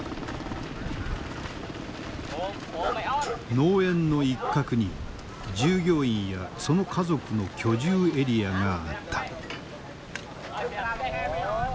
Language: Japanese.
農園の一角に従業員やその家族の居住エリアがあった。